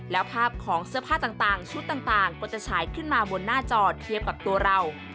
แล้วภาพของเสื้อผ้าต่างชุดต่างก็จะฉายขึ้นมาบนหน้าจอเทียบกับตัวเรา